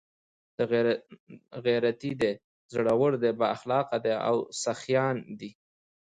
، غيرتي دي، زړور دي، بااخلاقه دي او سخيان دي